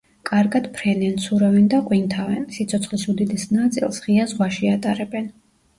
კარგად ფრენენ, ცურავენ და ყვინთავენ, სიცოცხლის უდიდეს ნაწილს ღია ზღვაში ატარებენ.